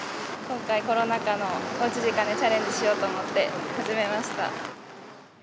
今回、コロナ禍のおうち時間でチャレンジしようと思って始めました。